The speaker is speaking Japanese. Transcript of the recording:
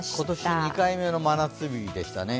今年２回目の真夏日でしたね。